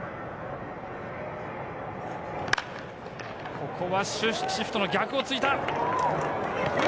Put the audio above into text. ここはシフトの逆を突いた。